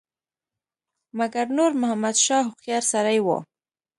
مګر نور محمد شاه هوښیار سړی وو.